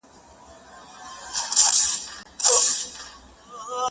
• زړه مي دي خاوري سي ډبره دى زړگى نـه دی.